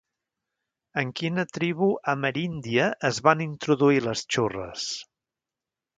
En quina tribu ameríndia es van introduir les xurres?